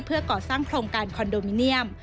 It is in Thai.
เพื่อก่อสร้างโครงการคอนโดมิเนียม